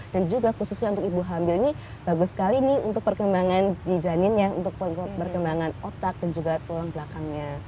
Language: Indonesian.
dan juga khususnya untuk ibu hamil ini bagus sekali ini untuk perkembangan di janinnya untuk perkembangan otak dan juga tulang belakangnya